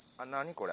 これ。